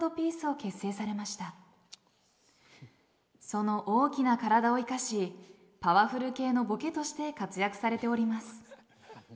その大きな体を生かしパワフル系のボケとして活躍されております。